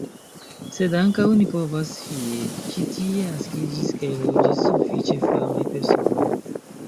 Sed ankaŭ ni povas fieri – ĉi tie naskiĝis kaj loĝis sufiĉe famaj personoj.